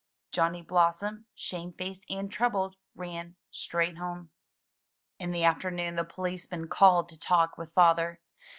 Johnny Blossom, shamefaced and troubled, ran straight home. In the afternoon the policeman called to talk with Father.